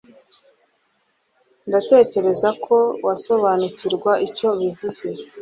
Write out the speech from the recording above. Ndatekereza ko wasobanukirwa icyo bivuze